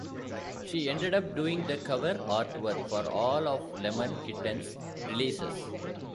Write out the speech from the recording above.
She ended up doing the cover artwork for all of Lemon Kittens releases.